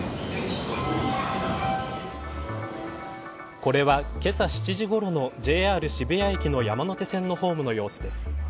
これは、けさ７時ごろのＪＲ渋谷駅の山手線のホームの様子です。